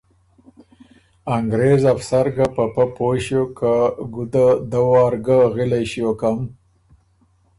انګرېز افسر ګه په پۀ پوی ݭیوک که ګُده دۀ وار ګۀ غِلئ ݭیوکم